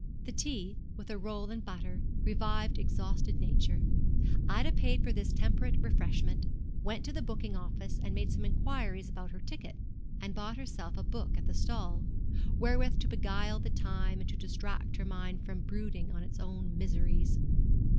The tea, with a roll and butter, revived exhausted nature. Ida paid for this temperate refreshment, went to the booking office, made some inquiries about her ticket, and bought herself a book at the stall, wherewith to beguile the time and to distract her mind from brooding on its own miseries.